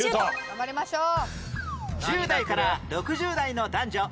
頑張りましょう！